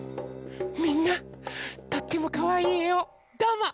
みんなとってもかわいいえをどうも。